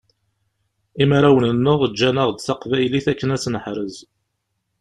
Imarawen-nneɣ ǧǧanaɣ-d taqbaylit akken ad tt-neḥrez.